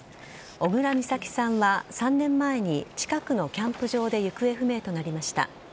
小倉美咲さんは３年前に近くのキャンプ場で行方不明となりました。